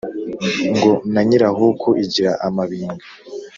Ngo na nyirahuku igira amabinga